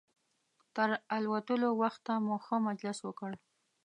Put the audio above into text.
تر الوتلو وخته مو ښه مجلس وکړ.